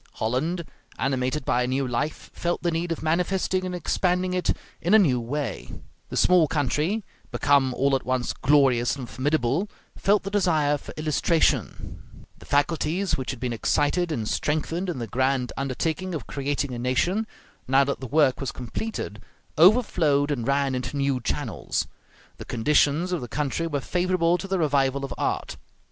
Holland, animated by a new life, felt the need of manifesting and expanding it in a new way; the small country, become all at once glorious and formidable, felt the desire for illustration; the faculties which had been excited and strengthened in the grand undertaking of creating a nation, now that the work was completed, overflowed and ran into new channels. The conditions of the country were favorable to the revival of art.